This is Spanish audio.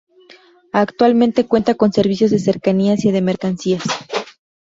Actualmente cuenta con servicios de Cercanías y de mercancías.